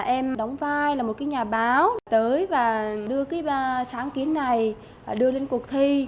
em đóng vai là một cái nhà báo tới và đưa cái sáng kiến này đưa lên cuộc thi